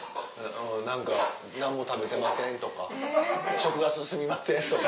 何か「何も食べてません」とか「食が進みません」とか。